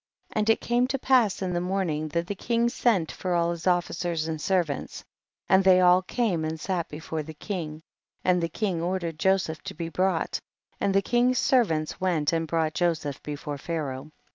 16. And it came to pass in the morning that the king sent for all his officers and servants, and they all came and sat before the king, and the king ordered Joseph to be brought, and the king's servants went and brought Joseph before Pharaoh.